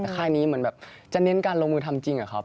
ค่ายนี้เหมือนแบบจะเน้นการลงมือทำจริงอะครับ